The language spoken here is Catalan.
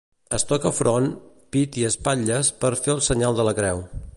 Es toca front, pit i espatlles per fer el senyal de la creu.